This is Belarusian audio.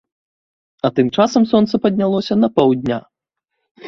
А тым часам сонца паднялося на паўдня.